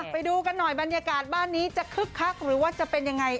ไปดูกันหน่อยบรรยากาศบ้านนี้จะคึกคักหรือว่าจะเป็นยังไง